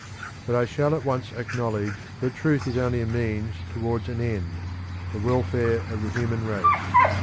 But I shall at once acknowledge that truth is only a means towards an end the welfare of the human race.